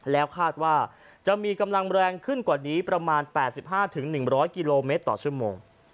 แล้วคาดว่าจะมีกำลังแรงขึ้นกว่านี้ประมาณ๘๕๑๐๐กิโลเมตรต่อชั่วโมง